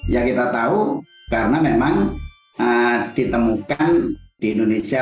ya kita tahu karena memang ditemukan di indonesia